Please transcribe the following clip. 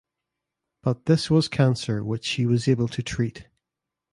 But this was cancer which she was able to treat.